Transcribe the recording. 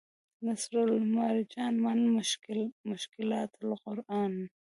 نصرالمرجان من مشکلات القرآن